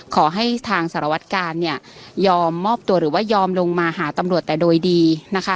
ขอให้ทางสารวัตกาลเนี่ยยอมมอบตัวหรือว่ายอมลงมาหาตำรวจแต่โดยดีนะคะ